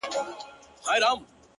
• هغه کيسې د چڼچڼيو د وژلو کړلې,